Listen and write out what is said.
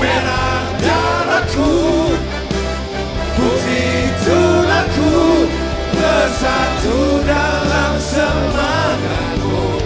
indonesia nada laguku putih tulaku bersatu dalam sepakatmu